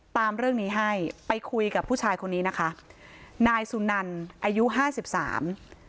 ตามเรื่องนี้ให้ไปคุยกับผู้ชายคนนี้นะคะนายสุนันอายุห้าสิบสาม